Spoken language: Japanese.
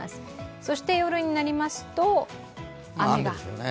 そして夜になりますと、雨が。